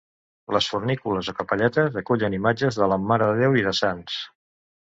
Les fornícules o capelletes acullen imatges de la marededéu i de sants.